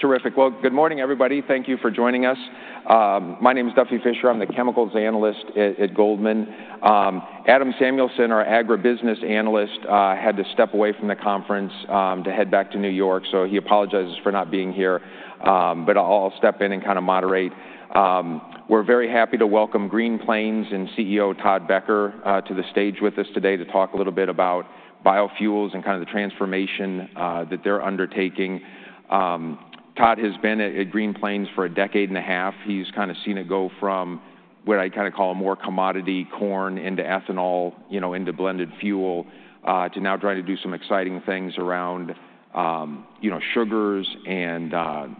Terrific. Well, good morning, everybody. Thank you for joining us. My name is Duffy Fischer. I'm the chemicals analyst at Goldman Sachs. Adam Samuelson, our agribusiness analyst, had to step away from the conference to head back to New York, so he apologizes for not being here. But I'll step in and kinda moderate. We're very happy to welcome Green Plains CEO Todd Becker to the stage with us today to talk a little bit about biofuels and kinda the transformation that they're undertaking. Todd has been at Green Plains for a decade and a half. He's kinda seen it go from what I kinda call a more commodity corn into ethanol, you know, into blended fuel to now trying to do some exciting things around, you know, sugars and,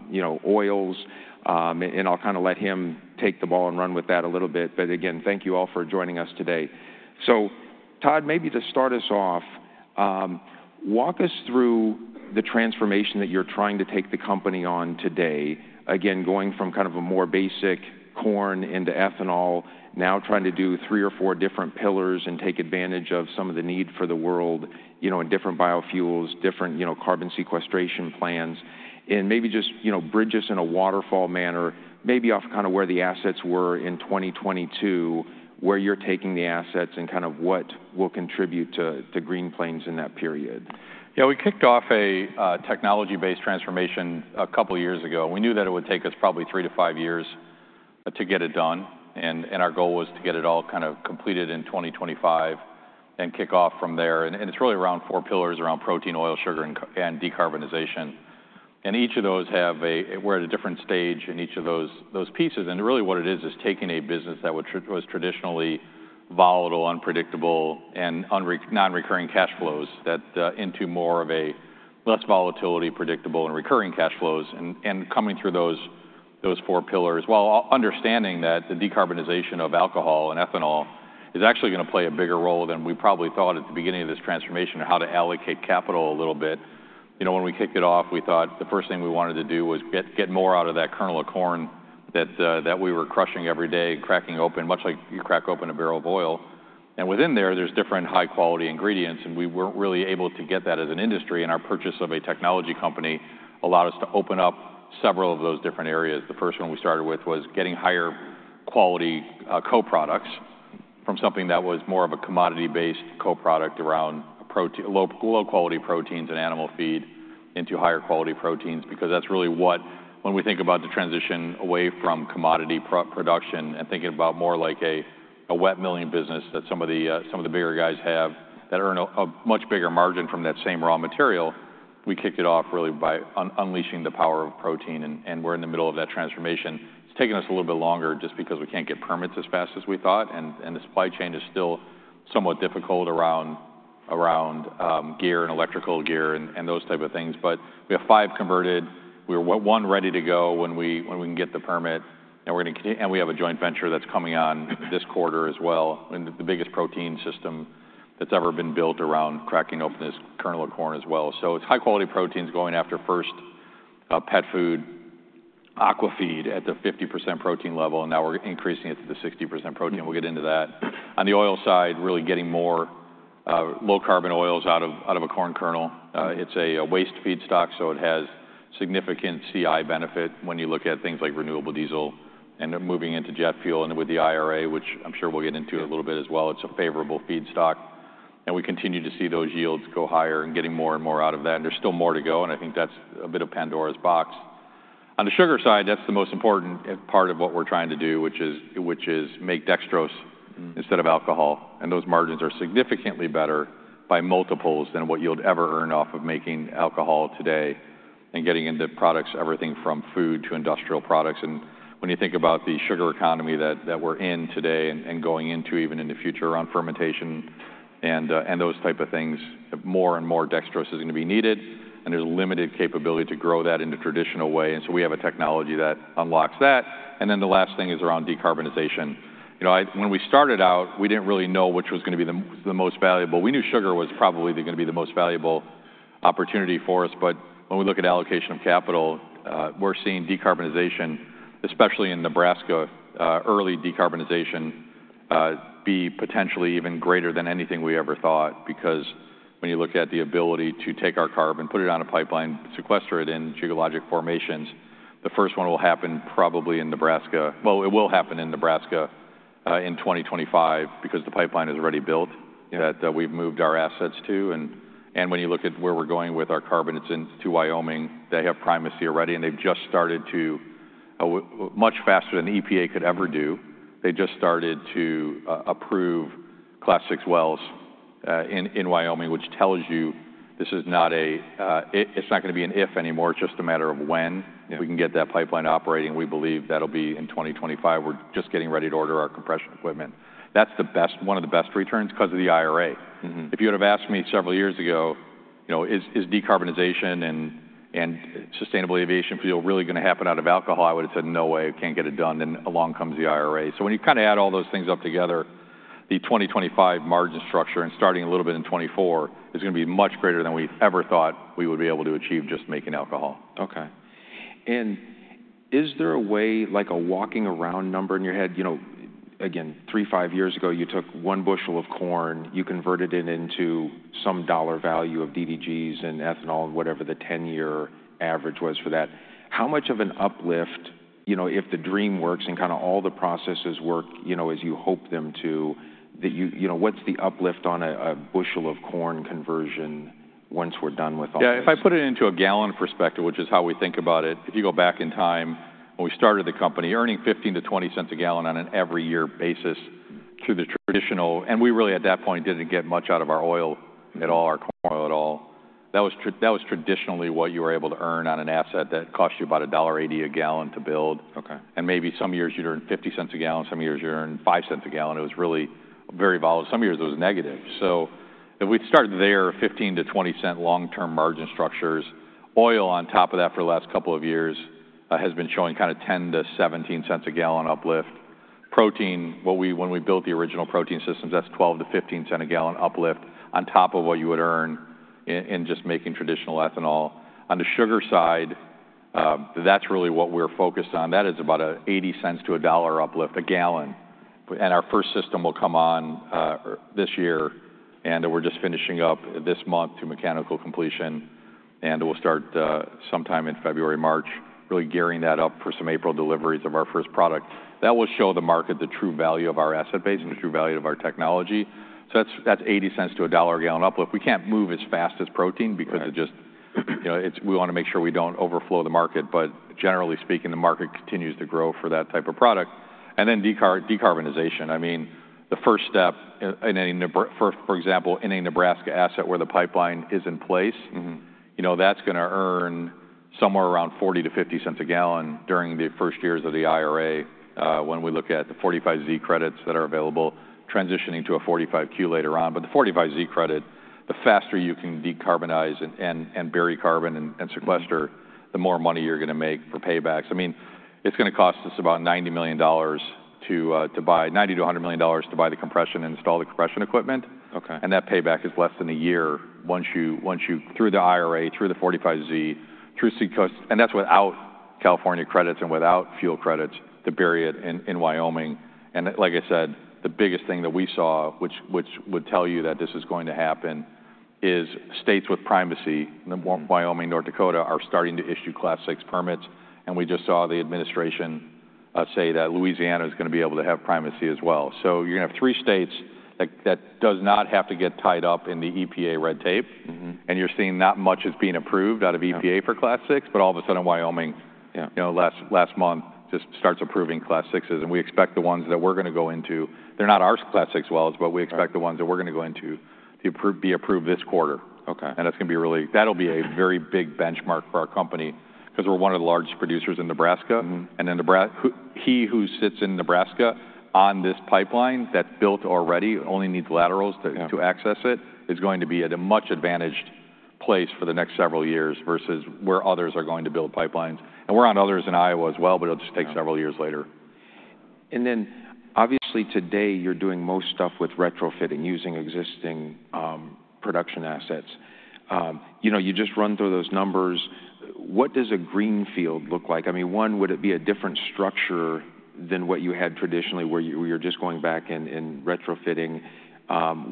you know, oils. And I'll kinda let him take the ball and run with that a little bit, but again, thank you all for joining us today. So Todd, maybe to start us off, walk us through the transformation that you're trying to take the company on today, again, going from kind of a more basic corn into ethanol, now trying to do three or four different pillars and take advantage of some of the need for the world, you know, in different biofuels, different, you know, carbon sequestration plans. And maybe just, you know, bridge us in a waterfall manner, maybe off kinda where the assets were in 2022, where you're taking the assets, and kind of what will contribute to Green Plains in that period. Yeah, we kicked off a technology-based transformation a couple years ago. We knew that it would take us probably three-five years to get it done, and our goal was to get it all kind of completed in 2025 and kick off from there. And it's really around four pillars, around protein, oil, sugar, and decarbonization, and each of those have—we're at a different stage in each of those pieces, and really what it is is taking a business that was traditionally volatile, unpredictable, and non-recurring cash flows into more of a less volatility, predictable, and recurring cash flows and coming through those four pillars, while understanding that the decarbonization of alcohol and ethanol is actually gonna play a bigger role than we probably thought at the beginning of this transformation of how to allocate capital a little bit. You know, when we kicked it off, we thought the first thing we wanted to do was get more out of that kernel of corn that we were crushing every day, cracking open, much like you crack open a barrel of oil. And within there, there's different high-quality ingredients, and we weren't really able to get that as an industry, and our purchase of a technology company allowed us to open up several of those different areas. The first one we started with was getting higher quality co-products from something that was more of a commodity-based co-product around a low, low-quality proteins and animal feed into higher quality proteins because that's really what... When we think about the transition away from commodity production and thinking about more like a wet milling business that some of the bigger guys have that earn a much bigger margin from that same raw material, we kicked it off really by unleashing the power of protein, and we're in the middle of that transformation. It's taking us a little bit longer just because we can't get permits as fast as we thought, and the supply chain is still somewhat difficult around gear and electrical gear and those type of things. But we have five converted. We have one ready to go when we can get the permit, and we're gonna and we have a joint venture that's coming on this quarter as well, and the biggest protein system that's ever been built around cracking open this kernel of corn as well. So it's high-quality proteins going after first, pet food, aquafeed at the 50% protein level, and now we're increasing it to the 60% protein. We'll get into that. On the oil side, really getting more low-carbon oils out of a corn kernel. It's a waste feedstock, so it has significant CI benefit when you look at things like renewable diesel and then moving into jet fuel, and with the IRA, which I'm sure we'll get into a little bit as well, it's a favorable feedstock. And we continue to see those yields go higher and getting more and more out of that, and there's still more to go, and I think that's a bit of Pandora's box. On the sugar side, that's the most important part of what we're trying to do, which is, which is make dextrose- Mm-hmm... instead of alcohol, and those margins are significantly better by multiples than what you'll ever earn off of making alcohol today and getting into products, everything from food to industrial products. When you think about the sugar economy that, that we're in today and, and going into even in the future around fermentation and, and those type of things, more and more dextrose is going to be needed, and there's limited capability to grow that in the traditional way, and so we have a technology that unlocks that. Then the last thing is around decarbonization. You know, I when we started out, we didn't really know which was gonna be the most valuable. We knew sugar was probably gonna be the most valuable opportunity for us, but when we look at allocation of capital, we're seeing decarbonization, especially in Nebraska, early decarbonization, be potentially even greater than anything we ever thought. Because when you look at the ability to take our carbon, put it on a pipeline, sequester it in geologic formations, the first one will happen probably in Nebraska. Well, it will happen in Nebraska, in 2025 because the pipeline is already built, that we've moved our assets to. And when you look at where we're going with our carbon, it's into Wyoming. They have primacy already, and they've just started to much faster than the EPA could ever do, they just started to approve Class VI wells in Wyoming, which tells you this is not a... It's not gonna be an if anymore. It's just a matter of when. Yeah. If we can get that pipeline operating, we believe that'll be in 2025. We're just getting ready to order our compression equipment. That's the best, one of the best returns 'cause of the IRA. Mm-hmm. If you would've asked me several years ago, you know, "Is decarbonization and sustainable aviation fuel really gonna happen out of alcohol?" I would've said, "No way. Can't get it done," then along comes the IRA. So when you kinda add all those things up together, the 2025 margin structure, and starting a little bit in 2024, is gonna be much greater than we ever thought we would be able to achieve just making alcohol. Okay... And is there a way, like a walking around number in your head? You know, again, three-five years ago, you took one bushel of corn, you converted it into some dollar value of DDGS and ethanol and whatever the 10-year average was for that. How much of an uplift, you know, if the dream works and kinda all the processes work, you know, as you hope them to, that you, you know, what's the uplift on a, a bushel of corn conversion once we're done with all this? Yeah, if I put it into a gallon perspective, which is how we think about it, if you go back in time when we started the company, earning $0.15-$0.20 a gallon on an every year basis through the traditional. And we really, at that point, didn't get much out of our oil at all, our corn oil at all. That was – that was traditionally what you were able to earn on an asset that cost you about $1.80 a gallon to build. Okay. Maybe some years you'd earn $0.50 a gallon, some years you earn $0.05 a gallon. It was really very volatile. Some years it was negative. So if we'd started there, $0.15-$0.20 long-term margin structures, oil on top of that for the last couple of years has been showing kinda $0.10-$0.17 a gallon uplift. Protein, when we built the original protein systems, that's $0.12-$0.15 a gallon uplift on top of what you would earn in just making traditional ethanol. On the sugar side, that's really what we're focused on. That is about $0.80-$1 a gallon uplift. Our first system will come on this year, and then we're just finishing up this month to mechanical completion, and we'll start sometime in February, March, really gearing that up for some April deliveries of our first product. That will show the market the true value of our asset base and the true value of our technology. So that's, that's $0.80-$1 a gallon uplift. We can't move as fast as protein- Right... because it just, you know, it's we wanna make sure we don't overflow the market, but generally speaking, the market continues to grow for that type of product. And then decarbonization, I mean, the first step in a Nebraska asset, for example, where the pipeline is in place- Mm-hmm... you know, that's gonna earn somewhere around $0.40-$0.50 a gallon during the first years of the IRA, when we look at the 45Z credits that are available, transitioning to a 45Q later on. But the 45Z credit, the faster you can decarbonize and bury carbon and sequester- Mm-hmm... the more money you're gonna make for paybacks. I mean, it's gonna cost us about $90-$100 million to buy the compression and install the compression equipment. Okay. That payback is less than a year once you, once you, through the IRA, through the 45Z, through sequestration... And that's without California credits and without fuel credits to bury it in, in Wyoming. And like I said, the biggest thing that we saw, which, which would tell you that this is going to happen, is states with primacy, Wyoming, North Dakota, are starting to issue Class VI permits, and we just saw the administration say that Louisiana is gonna be able to have primacy as well. So you're gonna have three states that, that does not have to get tied up in the EPA red tape. Mm-hmm. You're seeing not much is being approved- Yeah... out of EPA for Class VI, but all of a sudden, Wyoming- Yeah... you know, last, last month just starts approving Class VIs, and we expect the ones that we're gonna go into... They're not our Class VI wells, but we expect- Right... the ones that we're gonna go into to be approved this quarter. Okay. That's gonna be really-- That'll be a very big benchmark for our company 'cause we're one of the largest producers in Nebraska. Mm-hmm. And then he who sits in Nebraska on this pipeline that's built already, only needs laterals to- Yeah ...to access it, is going to be at a much advantaged place for the next several years versus where others are going to build pipelines. And we're on others in Iowa as well, but it'll just take- Yeah... several years later. Then obviously, today, you're doing most stuff with retrofitting, using existing production assets. You know, you just run through those numbers. What does a greenfield look like? I mean, one, would it be a different structure than what you had traditionally, where you're just going back and retrofitting?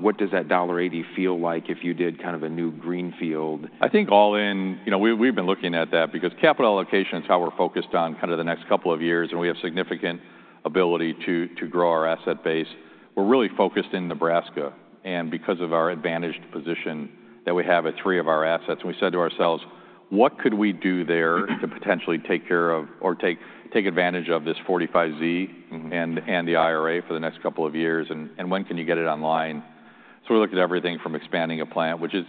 What does that $1.80 feel like if you did kind of a new greenfield? I think all in. You know, we've been looking at that because capital allocation is how we're focused on kind of the next couple of years, and we have significant ability to grow our asset base. We're really focused in Nebraska, and because of our advantaged position that we have at three of our assets, and we said to ourselves: "What could we do there to potentially take care of or take advantage of this 45Z- Mm-hmm... and the IRA for the next couple of years, and when can you get it online?" So we looked at everything from expanding a plant, which is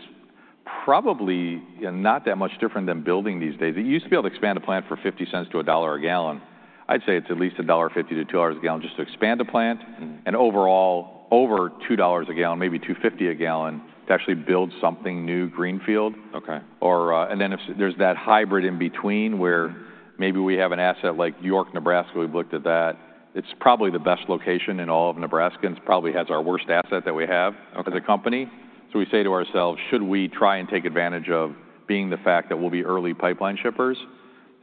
probably, you know, not that much different than building these days. You used to be able to expand a plant for $0.50-$1 a gallon. I'd say it's at least $1.50-$2 a gallon just to expand a plant. Mm... and overall, over $2 a gallon, maybe $2.50 a gallon, to actually build something new, greenfield. Okay. And then if there's that hybrid in between, where maybe we have an asset like York, Nebraska, we've looked at that. It's probably the best location in all of Nebraska, and it probably has our worst asset that we have- Okay... as a company. So we say to ourselves: "Should we try and take advantage of being the fact that we'll be early pipeline shippers?"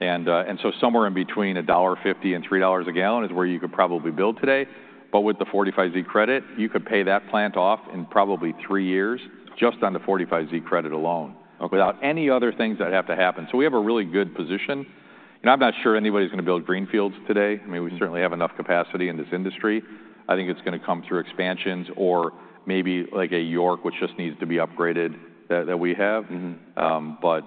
And, and so somewhere in between $1.50-$3 a gallon is where you could probably build today, but with the 45Z credit, you could pay that plant off in probably three years, just on the 45Z credit alone- Okay... without any other things that have to happen. So we have a really good position, and I'm not sure anybody's gonna build greenfields today. Mm-hmm. I mean, we certainly have enough capacity in this industry. I think it's gonna come through expansions or maybe like a York, which just needs to be upgraded, that, that we have. Mm-hmm. But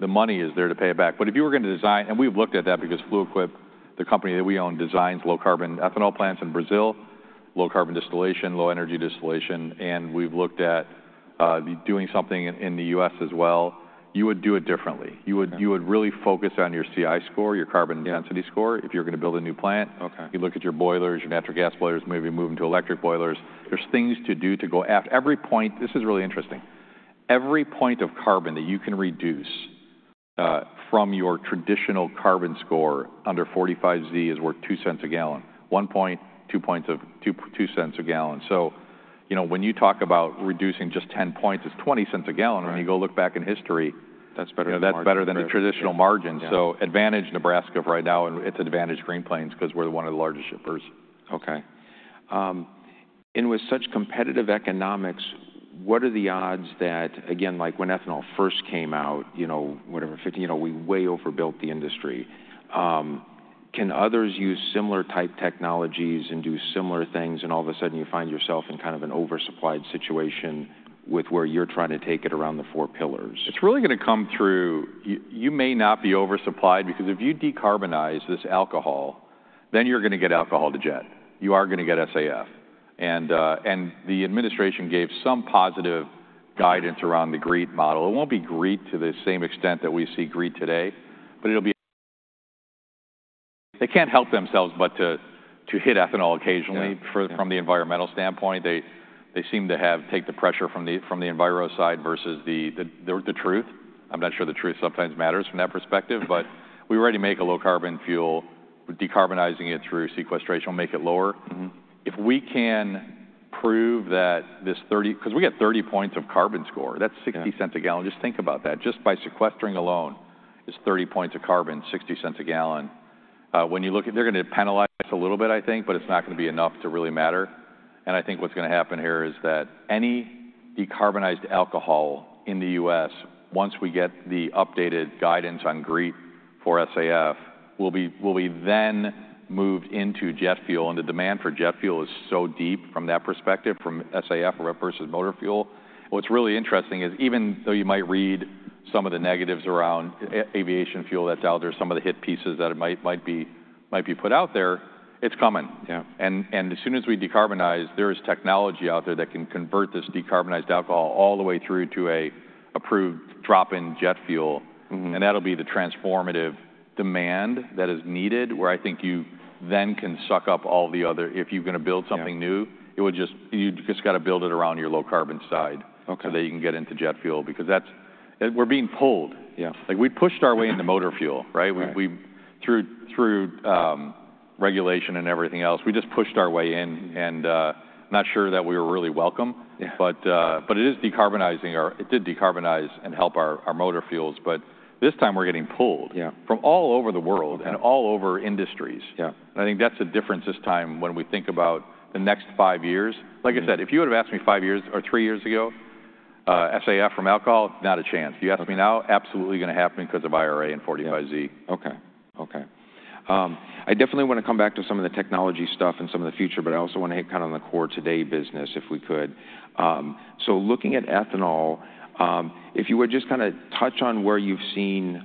the money is there to pay it back. But if you were gonna design... And we've looked at that because Fluid Quip, the company that we own, designs low-carbon ethanol plants in Brazil, low-carbon distillation, low-energy distillation, and we've looked at doing something in the U.S. as well. You would do it differently. Okay. You would, you would really focus on your CI score, your carbon density score, if you're gonna build a new plant. Okay. You look at your boilers, your natural gas boilers, maybe move them to electric boilers. There's things to do to go at every point... This is really interesting. Every point of carbon that you can reduce from your traditional carbon score under 45Z is worth $0.02 a gallon. One point, two points of... two cents a gallon. So... you know, when you talk about reducing just 10 points, it's $0.20 a gallon. Right. When you go look back in history- That's better than margin.... yeah, that's better than a traditional margin. Yeah. So advantage Nebraska right now, and it's advantage Green Plains, 'cause we're one of the largest shippers. Okay. And with such competitive economics, what are the odds that, again, like when ethanol first came out, you know, whatever, 15, you know, we way overbuilt the industry. Can others use similar type technologies and do similar things, and all of a sudden you find yourself in kind of an oversupplied situation with where you're trying to take it around the four pillars? It's really gonna come through... You may not be oversupplied, because if you decarbonize this alcohol, then you're gonna get alcohol-to-jet. You are gonna get SAF. And the administration gave some positive guidance around the GREET model. It won't be GREET to the same extent that we see GREET today, but it'll be... They can't help themselves but to hit ethanol occasionally- Yeah... from the environmental standpoint. They seem to have take the pressure from the enviro side versus the truth. I'm not sure the truth sometimes matters from that perspective. But we already make a low carbon fuel. Decarbonizing it through sequestration will make it lower. Mm-hmm. If we can prove that this 30... 'Cause we got 30 points of carbon score. Yeah. That's $0.60 a gallon. Just think about that. Just by sequestering alone is 30 points of carbon, $0.60 a gallon. When you look at, they're gonna penalize a little bit, I think, but it's not gonna be enough to really matter, and I think what's gonna happen here is that any decarbonized alcohol in the U.S., once we get the updated guidance on GREET for SAF, will be, will be then moved into jet fuel. And the demand for jet fuel is so deep from that perspective, from SAF re- versus motor fuel. What's really interesting is, even though you might read some of the negatives around aviation fuel that's out there, some of the hit pieces that it might be put out there, it's coming. Yeah. And as soon as we decarbonize, there is technology out there that can convert this decarbonized alcohol all the way through to an approved drop-in jet fuel. Mm-hmm. That'll be the transformative demand that is needed, where I think you then can suck up all the other... If you're gonna build something new- Yeah... it would just, you've just gotta build it around your low carbon side- Okay... so that you can get into jet fuel, because that's it, we're being pulled. Yeah. Like, we pushed our way into motor fuel, right? Right. We, through regulation and everything else, we just pushed our way in, and not sure that we were really welcome. Yeah. But it is decarbonizing our... It did decarbonize and help our motor fuels, but this time we're getting pulled- Yeah... from all over the world- Okay... and all over industries. Yeah. I think that's the difference this time when we think about the next five years. Mm-hmm. Like I said, if you would've asked me five years or three years ago, SAF from alcohol, not a chance. Okay. If you ask me now, absolutely gonna happen because of IRA and 45Z. Yeah. Okay, okay. I definitely wanna come back to some of the technology stuff and some of the future, but I also wanna hit kind of on the core today business, if we could. So looking at ethanol, if you would just kinda touch on where you've seen,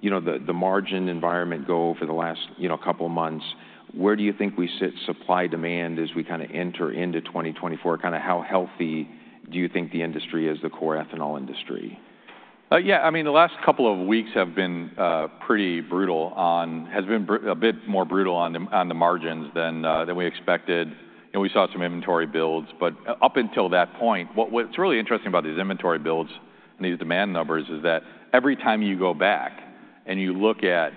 you know, the margin environment go for the last, you know, couple months. Where do you think we sit supply/demand as we kinda enter into 2024? Kinda how healthy do you think the industry is, the core ethanol industry? Yeah, I mean, the last couple of weeks have been pretty brutal on the margins... has been a bit more brutal on the margins than we expected, and we saw some inventory builds. But up until that point, what's really interesting about these inventory builds and these demand numbers is that every time you go back and you look at,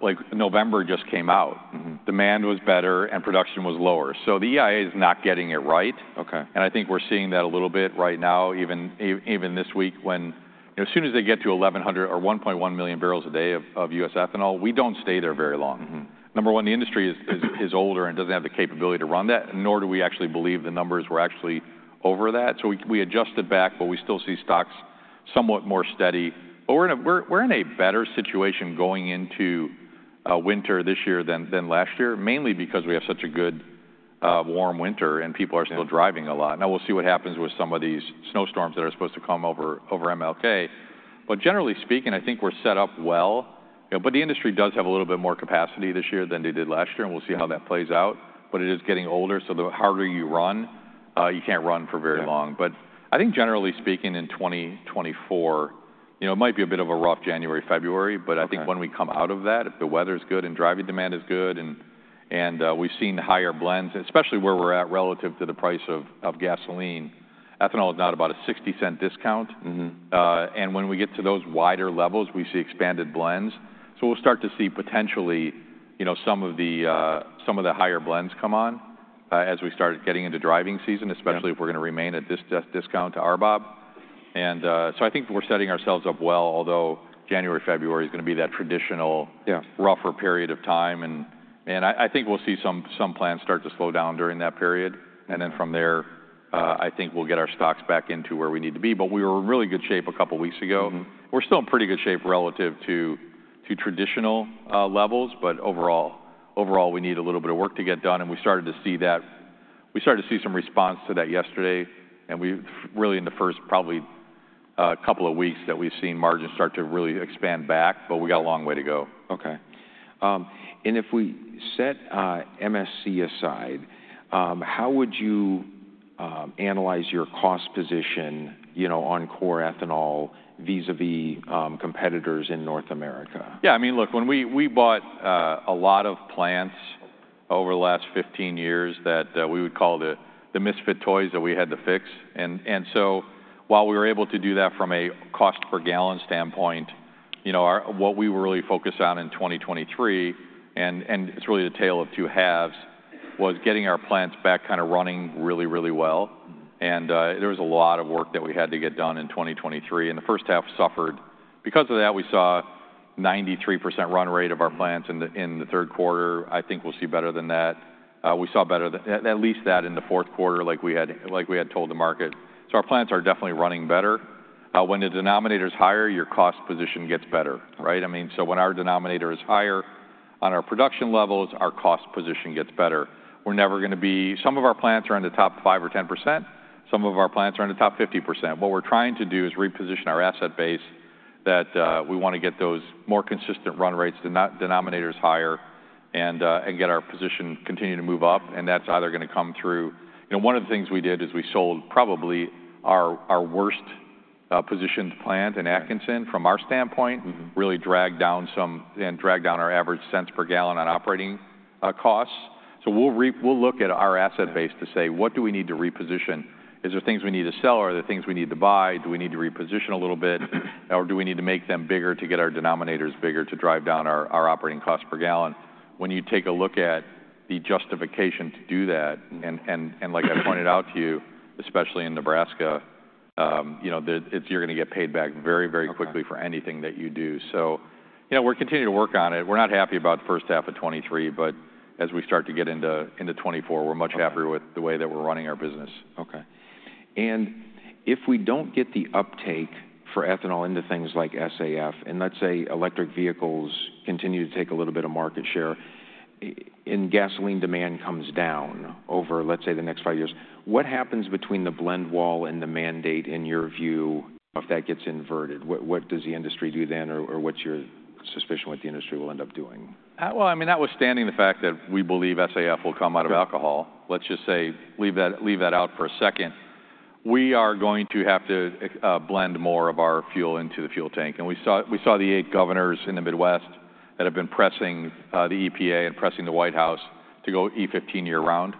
like, November just came out- Mm-hmm... demand was better and production was lower. So the EIA is not getting it right. Okay. I think we're seeing that a little bit right now, even this week, when, you know, as soon as they get to 1,100 or 1.1 million barrels a day of U.S. ethanol, we don't stay there very long. Mm-hmm. 1, the industry is older and doesn't have the capability to run that, nor do we actually believe the numbers were actually over that. So we adjusted back, but we still see stocks somewhat more steady. But we're in a better situation going into winter this year than last year, mainly because we had such a good warm winter, and people are- Yeah... still driving a lot. Now, we'll see what happens with some of these snowstorms that are supposed to come over, over MLK, but generally speaking, I think we're set up well. You know, but the industry does have a little bit more capacity this year than they did last year, and we'll see how that plays out. But it is getting older, so the harder you run, you can't run for very long. Yeah. I think generally speaking, in 2024, you know, it might be a bit of a rough January, February, but. Okay... I think when we come out of that, if the weather's good and driving demand is good, and we've seen the higher blends, and especially where we're at relative to the price of gasoline, ethanol is at about a $0.60 discount. Mm-hmm. When we get to those wider levels, we see expanded blends. So we'll start to see potentially, you know, some of the higher blends come on as we start getting into driving season. Yeah... especially if we're gonna remain at this, this discount to RBOB. And, so I think we're setting ourselves up well, although January, February is gonna be that traditional- Yeah... rougher period of time. And I think we'll see some plants start to slow down during that period, and then from there, I think we'll get our stocks back into where we need to be. But we were in really good shape a couple weeks ago. Mm-hmm. We're still in pretty good shape relative to traditional levels, but overall, we need a little bit of work to get done, and we started to see that. We started to see some response to that yesterday, and we've really in the first probably couple of weeks that we've seen margins start to really expand back, but we got a long way to go. Okay. And if we set MSC aside, how would you analyze your cost position, you know, on core ethanol vis-à-vis competitors in North America? Yeah, I mean, look, when we bought a lot of plants over the last 15 years that we would call the misfit toys that we had to fix. And so while we were able to do that from a cost per gallon standpoint, you know, what we really focus on in 2023, and it's really a tale of two halves, was getting our plants back kinda running really, really well. And there was a lot of work that we had to get done in 2023, and the first half suffered. Because of that, we saw 93% run rate of our plants in the third quarter. I think we'll see better than that. We saw better than at least that in the fourth quarter, like we had told the market. So our plants are definitely running better. When the denominator's higher, your cost position gets better, right? I mean, so when our denominator is higher on our production levels, our cost position gets better. We're never gonna be... Some of our plants are in the top 5 or 10%, some of our plants are in the top 50%. What we're trying to do is reposition our asset base, that, we wanna get those more consistent run rates, denominators higher, and, and get our position continuing to move up, and that's either gonna come through... You know, one of the things we did is we sold probably our, our worst, positioned plant in Atkinson from our standpoint- Mm-hmm. really dragged down some, and dragged down our average cents per gallon on operating costs. So we'll look at our asset base to say, "What do we need to reposition? Is there things we need to sell? Are there things we need to buy? Do we need to reposition a little bit? Or do we need to make them bigger to get our denominators bigger to drive down our operating costs per gallon?" When you take a look at the justification to do that- Mm. like I pointed out to you, especially in Nebraska, you know, the, it's, you're gonna get paid back very, very quickly- Okay... for anything that you do. So, you know, we're continuing to work on it. We're not happy about the first half of 2023, but as we start to get into 2024, we're much happier- Okay... with the way that we're running our business. Okay. And if we don't get the uptake for ethanol into things like SAF, and let's say electric vehicles continue to take a little bit of market share, and gasoline demand comes down over, let's say, the next five years, what happens between the blend wall and the mandate in your view, if that gets inverted? What, what does the industry do then, or, or what's your suspicion what the industry will end up doing? Well, I mean, notwithstanding the fact that we believe SAF will come out of alcohol- Sure... let's just say leave that, leave that out for a second, we are going to have to blend more of our fuel into the fuel tank. And we saw, we saw the eight governors in the Midwest that have been pressing the EPA and pressing the White House to go E15 year-round,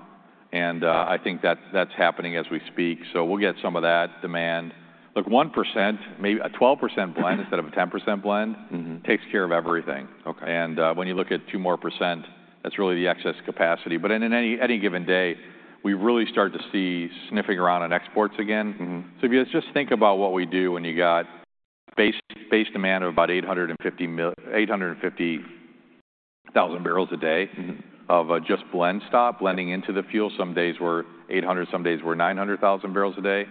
and I think that's, that's happening as we speak, so we'll get some of that demand. Look, 1%, maybe a 12% blend-... instead of a 10% blend- Mm-hmm... takes care of everything. Okay. When you look at 2% more, that's really the excess capacity. But in any given day, we really start to see sniffing around on exports again. Mm-hmm. So if you just think about what we do when you got base demand of about 850,000 barrels a day- Mm-hmm... of just blendstock blending into the fuel, some days we're 800,000, some days we're 900,000 barrels a day.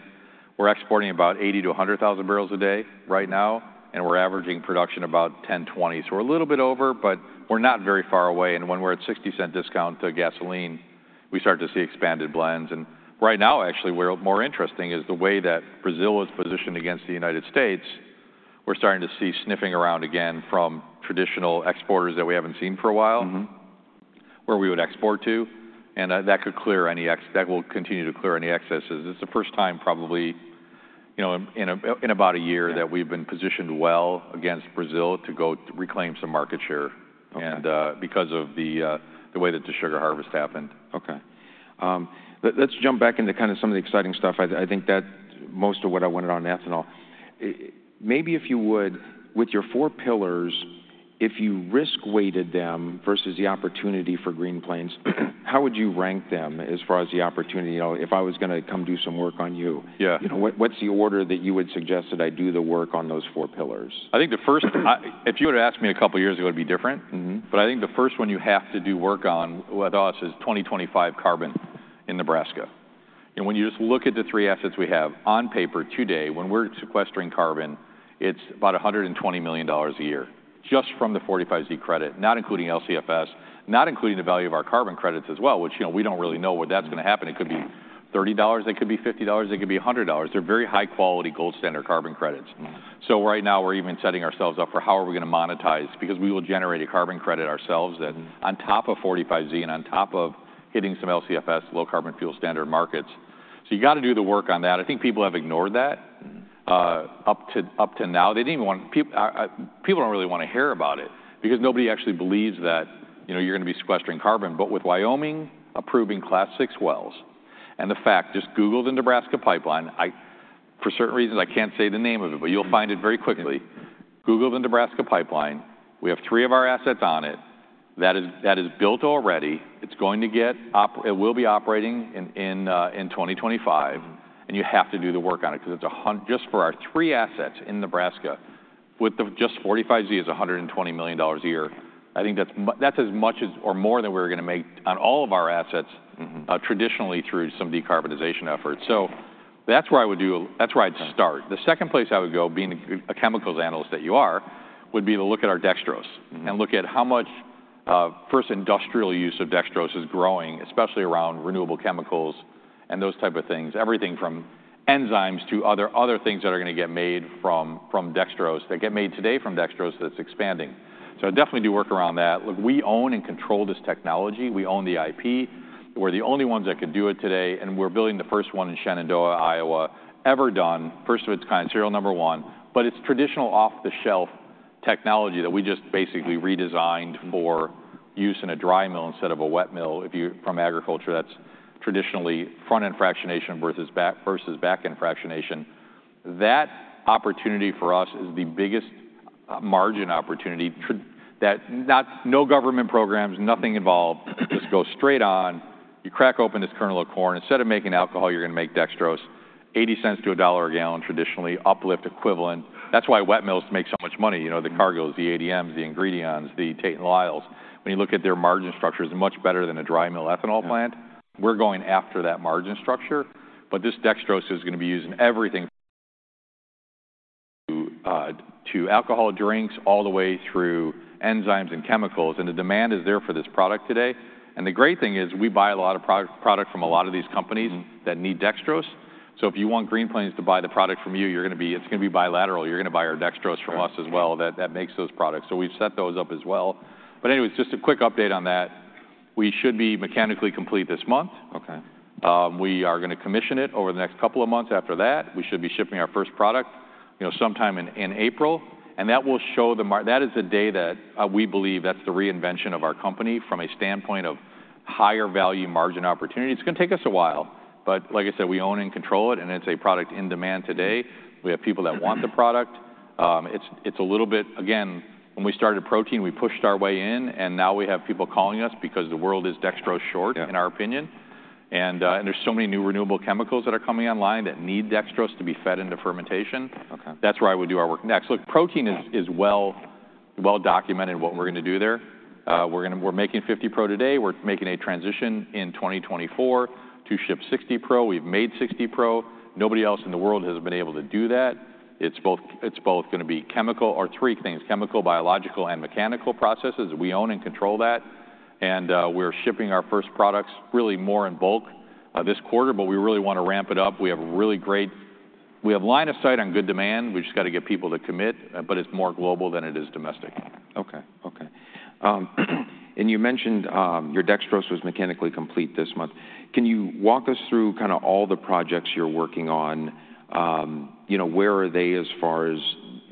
We're exporting about 80,000-100,000 barrels a day right now, and we're averaging production about 1,020. So we're a little bit over, but we're not very far away, and when we're at $0.60 discount to gasoline, we start to see expanded blends. And right now, actually, what's more interesting is the way that Brazil is positioned against the United States, we're starting to see sniffing around again from traditional exporters that we haven't seen for a while- Mm-hmm... where we would export to, and that could clear any that will continue to clear any excesses. It's the first time probably, you know, in about a year- Yeah... that we've been positioned well against Brazil to go to reclaim some market share. Okay. And, because of the way that the sugar harvest happened. Okay. Let's jump back into kinda some of the exciting stuff. I think that's most of what I wanted on ethanol. Maybe if you would, with your four pillars, if you risk-weighted them versus the opportunity for Green Plains-... how would you rank them as far as the opportunity? You know, if I was gonna come do some work on you- Yeah. You know, what, what's the order that you would suggest that I do the work on those four pillars? I think the first, if you would've asked me a couple years ago, it'd be different. Mm-hmm. But I think the first one you have to do work on with us is 2025 carbon in Nebraska. When you just look at the three assets we have, on paper today, when we're sequestering carbon, it's about $120 million a year, just from the 45Z credit, not including LCFS, not including the value of our carbon credits as well, which, you know, we don't really know where that's gonna happen. It could be $30, it could be $50, it could be $100. They're very high-quality, gold standard carbon credits. Mm. So right now, we're even setting ourselves up for how are we gonna monetize, because we will generate a carbon credit ourselves- Mm... and on top of 45Z and on top of hitting some LCFS, Low Carbon Fuel Standard markets. So you gotta do the work on that. I think people have ignored that- Mm... up to now. They didn't even want... people don't really wanna hear about it because nobody actually believes that, you know, you're gonna be sequestering carbon. But with Wyoming approving Class VI wells and the fact... Just Google the Nebraska Pipeline. I for certain reasons, I can't say the name of it- Mm... but you'll find it very quickly. Yeah. Google the Nebraska Pipeline. We have three of our assets on it. That is, that is built already. It will be operating in 2025, and you have to do the work on it because it's just for our three assets in Nebraska, with just the 45Z is $120 million a year. I think that's as much as or more than we're gonna make on all of our assets- Mm-hmm... traditionally through some decarbonization efforts. So that's where I would do... That's where I'd start. Okay. The second place I would go, being a chemicals analyst that you are, would be to look at our dextrose- Mm... and look at how much, first, industrial use of dextrose is growing, especially around renewable chemicals and those type of things. Everything from enzymes to other things that are gonna get made from dextrose, that get made today from dextrose that's expanding. So I'd definitely do work around that. Look, we own and control this technology. We own the IP. We're the only ones that can do it today, and we're building the first one in Shenandoah, Iowa, ever done, first of its kind, serial number one. But it's traditional, off-the-shelf technology that we just basically redesigned for use in a dry mill instead of a wet mill. If you're from agriculture, that's traditionally front-end fractionation versus back-end fractionation. That opportunity for us is the biggest margin opportunity that no government programs, nothing involved. It just goes straight on. You crack open this kernel of corn. Instead of making alcohol, you're gonna make dextrose, $0.80-$1 a gallon, traditionally uplift equivalent. That's why wet mills make so much money. You know, the Cargill- Mm... the ADMs, the Ingredions, the Tate & Lyles. When you look at their margin structure, it's much better than a dry mill ethanol plant. Yeah. We're going after that margin structure, but this dextrose is gonna be used in everything, to alcohol drinks, all the way through enzymes and chemicals, and the demand is there for this product today. And the great thing is, we buy a lot of product from a lot of these companies- Mm... that need dextrose. So if you want Green Plains to buy the product from you, you're gonna be, it's gonna be bilateral. You're gonna buy our dextrose from us as well. Sure. That, that makes those products. We've set those up as well. Anyways, just a quick update on that. We should be mechanically complete this month. Okay. We are gonna commission it over the next couple of months. After that, we should be shipping our first product, you know, sometime in April, and that will show that is the day that we believe that's the reinvention of our company from a standpoint of higher value margin opportunity. It's gonna take us a while, but like I said, we own and control it, and it's a product in demand today. We have people that want the product. Mm-hmm. It's a little bit... Again, when we started protein, we pushed our way in, and now we have people calling us because the world is dextrose short- Yeah... in our opinion. And, and there's so many new renewable chemicals that are coming online that need dextrose to be fed into fermentation. Okay. That's where I would do our work next. Look, protein is- Yeah... is well, well-documented what we're gonna do there. We're making 50 Pro today. We're making a transition in 2024 to ship 60 Pro. We've made 60 Pro. Nobody else in the world has been able to do that. It's both gonna be chemical or three things: chemical, biological, and mechanical processes. We own and control that, and we're shipping our first products really more in bulk this quarter, but we really wanna ramp it up. We have line of sight on good demand. We've just gotta get people to commit, but it's more global than it is domestic. Okay. Okay. And you mentioned your dextrose was mechanically complete this month. Can you walk us through kinda all the projects you're working on? You know, where are they as far as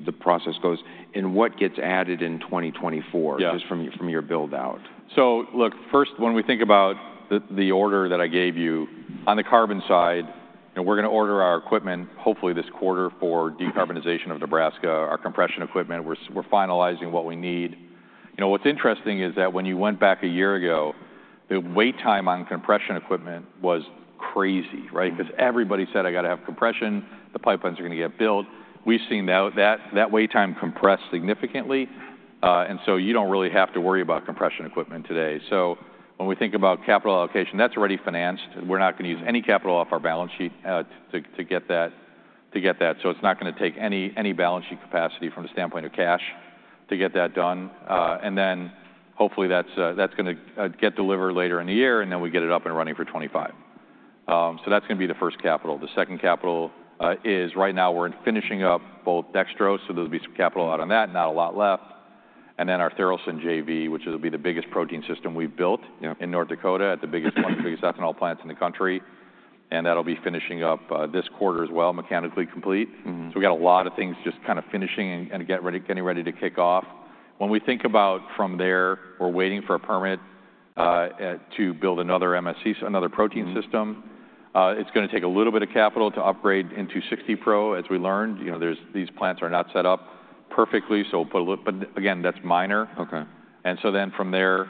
the process goes, and what gets added in 2024? Yeah... just from your build-out? So look, first, when we think about the order that I gave you, on the carbon side, and we're gonna order our equipment, hopefully this quarter, for decarbonization of Nebraska. Our compression equipment, we're finalizing what we need. You know, what's interesting is that when you went back a year ago, the wait time on compression equipment was crazy, right? Mm. 'Cause everybody said, "I gotta have compression. The pipelines are gonna get built." We've seen now that wait time compress significantly, and so you don't really have to worry about compression equipment today. So when we think about capital allocation, that's already financed. We're not gonna use any capital off our balance sheet to get that, so it's not gonna take any balance sheet capacity from the standpoint of cash to get that done. Okay. And then hopefully, that's gonna get delivered later in the year, and then we get it up and running for 2025. So that's gonna be the first capital. The second capital is right now we're finishing up both dextrose, so there'll be some capital out on that, not a lot left. And then our Tharaldson JV, which will be the biggest protein system we've built- Yeah... in North Dakota, at one of the biggest ethanol plants in the country, and that'll be finishing up this quarter as well, mechanically complete. Mm-hmm. So we got a lot of things just kinda finishing and getting ready to kick off. When we think about from there, we're waiting for a permit to build another MSC, another protein system. Mm. It's gonna take a little bit of capital to upgrade into 60 Pro. As we learned, you know, there's these plants are not set up perfectly, so we'll put a little... But again, that's minor. Okay. And so then from there,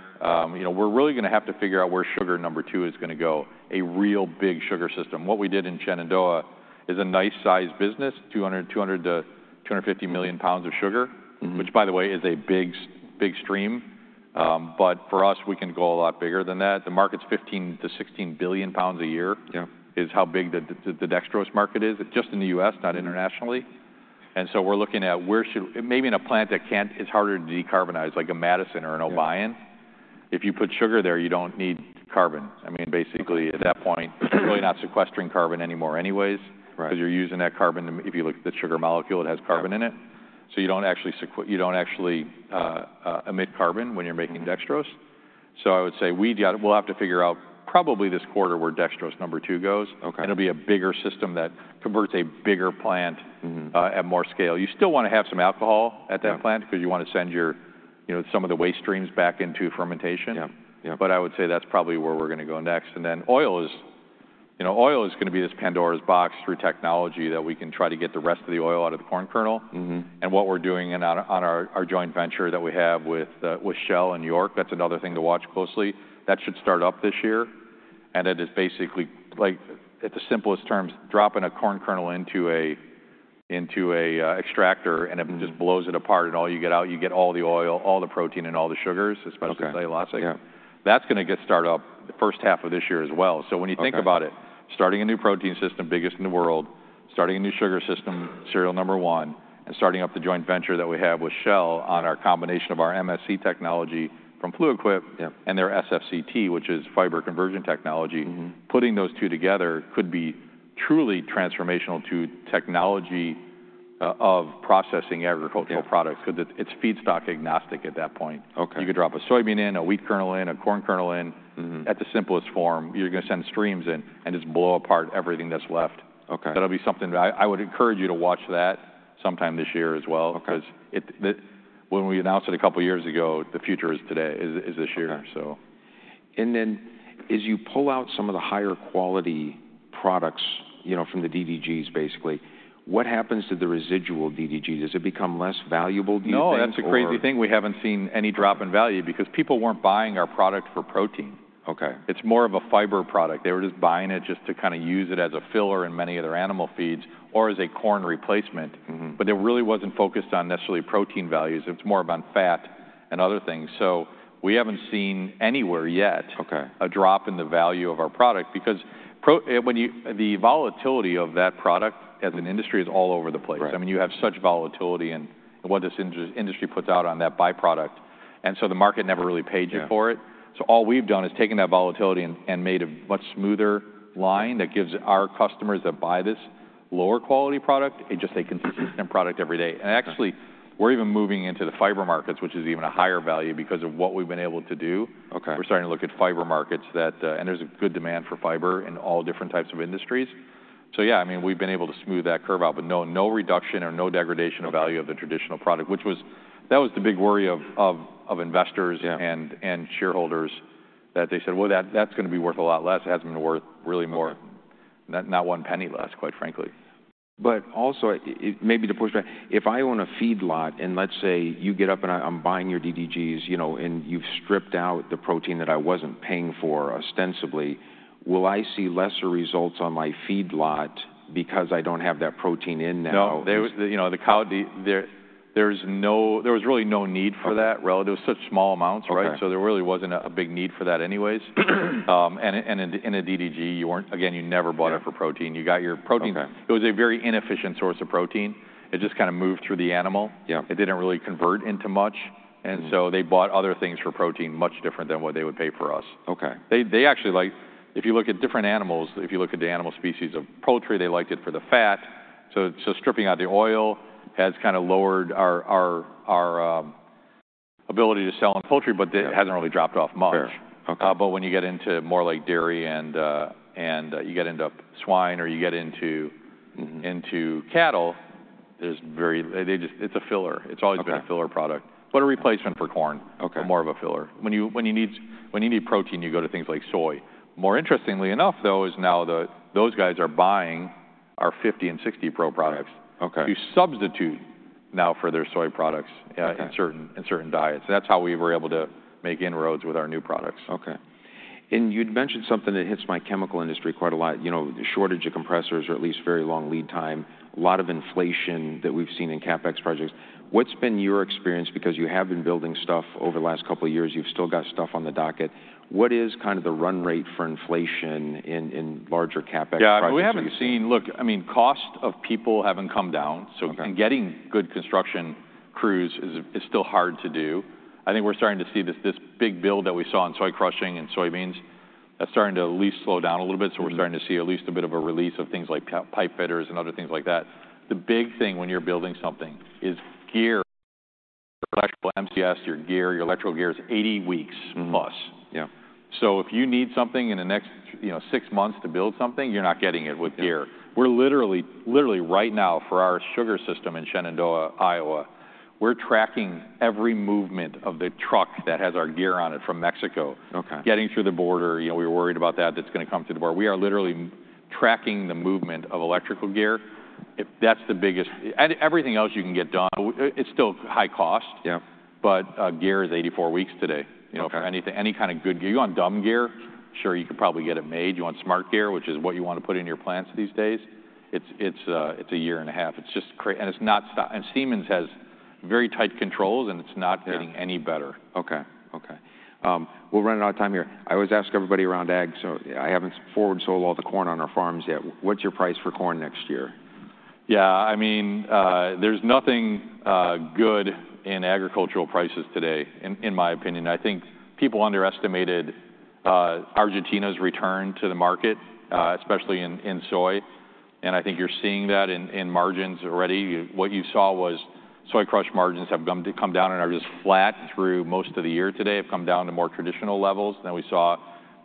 you know, we're really gonna have to figure out where sugar number two is gonna go, a real big sugar system. What we did in Shenandoah is a nice-sized business, 200-250 million pounds of sugar- Mm... which, by the way, is a big stream. But for us, we can go a lot bigger than that. The market's 15-16 billion pounds a year- Yeah... is how big the dextrose market is. It's just in the U.S., not internationally. And so we're looking at where should... Maybe in a plant that can't... It's harder to decarbonize, like a Madison or an Obion. Yeah. If you put sugar there, you don't need carbon. I mean, basically, at that point, you're really not sequestering carbon anymore anyways. Right... 'cause you're using that carbon. If you look at the sugar molecule, it has carbon in it. Yeah. So you don't actually emit carbon when you're making dextrose. So I would say we'll have to figure out probably this quarter, where dextrose number two goes. Okay. It'll be a bigger system that converts a bigger plant- Mm-hmm... at more scale. You still wanna have some alcohol at that plant- Yeah... 'cause you wanna send your, you know, some of the waste streams back into fermentation. Yeah, yeah. But I would say that's probably where we're gonna go next. And then oil is, you know, oil is gonna be this Pandora's box through technology that we can try to get the rest of the oil out of the corn kernel. Mm-hmm. What we're doing in our joint venture that we have with Shell in York, that's another thing to watch closely. That should start up this year, and that is basically, like, at the simplest terms, dropping a corn kernel into an extractor- Mm... and it just blows it apart. All you get out, you get all the oil, all the protein, and all the sugars, as well as the glycerol. Okay. Yeah. That's gonna get started up in the first half of this year as well. Okay. So when you think about it, starting a new protein system, biggest in the world, starting a new sugar system, serial number one, and starting up the joint venture that we have with Shell on our combination of our MSC technology from Fluid Quip- Yeah... and their SFCT, which is fiber conversion technology. Mm-hmm. Putting those two together could be truly transformational to technology of processing agricultural products- Yeah... 'cause it's, it's feedstock-agnostic at that point. Okay. You could drop a soybean in, a wheat kernel in, a corn kernel in. Mm-hmm. At the simplest form, you're gonna send streams in and just blow apart everything that's left. Okay. That'll be something... I would encourage you to watch that sometime this year as well- Okay... 'cause it, when we announced it a couple of years ago, the future is today, this year. Okay. So...... And then as you pull out some of the higher quality products, you know, from the DDGS, basically, what happens to the residual DDGS? Does it become less valuable, do you think, or- No, that's the crazy thing. We haven't seen any drop in value because people weren't buying our product for protein. Okay. It's more of a fiber product. They were just buying it just to kind of use it as a filler in many of their animal feeds or as a corn replacement. Mm-hmm. But it really wasn't focused on necessarily protein values, it's more about fat and other things. So we haven't seen anywhere yet- Okay... a drop in the value of our product because the volatility of that product as an industry is all over the place. Right. I mean, you have such volatility in what this industry puts out on that byproduct, and so the market never really paid you for it. Yeah. So all we've done is taken that volatility and made a much smoother line that gives our customers that buy this lower-quality product just a consistent product every day. Okay. Actually, we're even moving into the fiber markets, which is even a higher value because of what we've been able to do. Okay. We're starting to look at fiber markets that. There's a good demand for fiber in all different types of industries. So yeah, I mean, we've been able to smooth that curve out, but no reduction or no degradation of value of the traditional product, which was that was the big worry of investors. Yeah... and shareholders that they said, "Well, that's gonna be worth a lot less." It hasn't been worth really more- Right... not, not one penny less, quite frankly. But also, maybe to push back, if I own a feedlot, and let's say you get up and I'm buying your DDGS, you know, and you've stripped out the protein that I wasn't paying for ostensibly, will I see lesser results on my feedlot because I don't have that protein in now? No, there was... You know, there was really no need for that- Okay... relative. It was such small amounts, right? Okay. So there really wasn't a big need for that anyways. And in a DDGS, you weren't, again, you never bought it for protein. Yeah. You got your protein- Okay. It was a very inefficient source of protein. It just kind of moved through the animal. Yeah. It didn't really convert into much- Mm-hmm... and so they bought other things for protein, much different than what they would pay for us. Okay. They actually like... If you look at different animals, if you look at the animal species of poultry, they liked it for the fat, so stripping out the oil has kind of lowered our ability to sell in poultry, but they- Yeah... it hasn't really dropped off much. Fair. Okay. But when you get into more like dairy and you get into swine or you get into- Mm-hmm... into cattle, there's very, they just... It's a filler. Okay. It's always been a filler product, but a replacement for corn. Okay. More of a filler. When you need protein, you go to things like soy. More interestingly enough, though, is now those guys are buying our 50 and 60 Pro products- Okay... to substitute now for their soy products- Okay... in certain, in certain diets. That's how we were able to make inroads with our new products. Okay. And you'd mentioned something that hits my chemical industry quite a lot, you know, the shortage of compressors or at least very long lead time, a lot of inflation that we've seen in CapEx projects. What's been your experience? Because you have been building stuff over the last couple of years. You've still got stuff on the docket. What is kind of the run rate for inflation in larger CapEx projects you've seen? Yeah, we haven't seen... Look, I mean, cost of people haven't come down, so- Okay... and getting good construction crews is still hard to do. I think we're starting to see this big build that we saw in soy crushing and soybeans, that's starting to at least slow down a little bit. Mm-hmm. So we're starting to see at least a bit of a release of things like pipe fitters and other things like that. The big thing when you're building something is gear. Your MSC, your gear, your electrical gear is 80 weeks plus. Mm-hmm. Yeah. So if you need something in the next, you know, 6 months to build something, you're not getting it with gear. Yeah. We're literally, literally, right now, for our sugar system in Shenandoah, Iowa, we're tracking every movement of the truck that has our gear on it from Mexico. Okay... getting through the border. You know, we were worried about that. That's gonna come through the border. We are literally tracking the movement of electrical gear. If that's the biggest... and everything else you can get done. It's still high cost- Yeah... but, gear is 84 weeks today. Okay. You know, anything, any kind of good gear. You want dumb gear? Sure, you could probably get it made. You want smart gear, which is what you want to put in your plants these days, it's a year and a half. It's just cra- and it's not sto- and Siemens has very tight controls, and it's not- Yeah... getting any better. Okay, okay. We're running out of time here. I always ask everybody around ag, so I haven't forward sold all the corn on our farms yet. What's your price for corn next year? Yeah, I mean, there's nothing good in agricultural prices today, in my opinion. I think people underestimated Argentina's return to the market, especially in soy, and I think you're seeing that in margins already. What you saw was soy crush margins have come down and are just flat through most of the year today. They've come down to more traditional levels. Then we saw,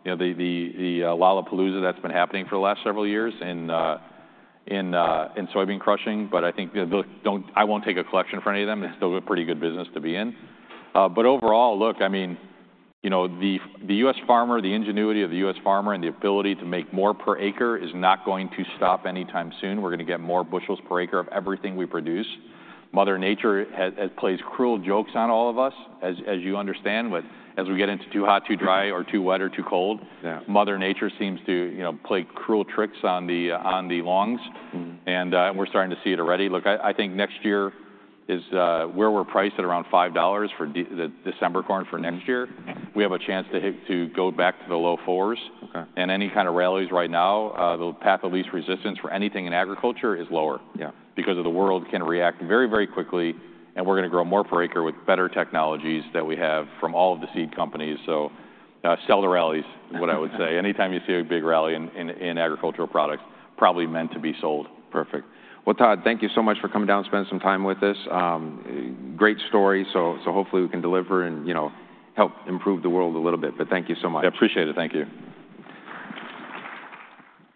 you know, the lollapalooza that's been happening for the last several years in soybean crushing. But I think the- don't- I won't take a collection in front of any of them. It's still a pretty good business to be in. But overall, look, I mean, you know, the U.S. farmer, the ingenuity of the U.S. farmer and the ability to make more per acre is not going to stop anytime soon. We're gonna get more bushels per acre of everything we produce. Mother Nature plays cruel jokes on all of us, as you understand, as we get into too hot, too dry, or too wet or too cold. Yeah. Mother Nature seems to, you know, play cruel tricks on the longs. Mm-hmm. We're starting to see it already. Look, I, I think next year is where we're priced at around $5 for the December corn for next year. Okay. We have a chance to hit, to go back to the low 4s. Okay. Any kind of rallies right now, the path of least resistance for anything in agriculture is lower. Yeah... because the world can react very, very quickly, and we're gonna grow more per acre with better technologies that we have from all of the seed companies. So, sell the rallies... is what I would say. Anytime you see a big rally in agricultural products, probably meant to be sold. Perfect. Well, Todd, thank you so much for coming down and spending some time with us. Great story, so, so hopefully we can deliver and, you know, help improve the world a little bit, but thank you so much. I appreciate it. Thank you.